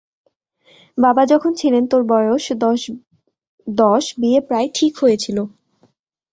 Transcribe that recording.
বাবা যখন ছিলেন, তোর বয়স দশ– বিয়ে প্রায় ঠিক হয়েছিল।